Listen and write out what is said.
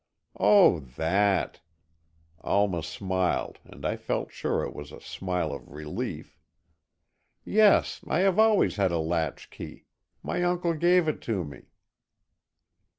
"Oh, that!" Alma smiled and I felt sure it was a smile of relief. "Yes, I have always had a latchkey. My uncle gave it to me."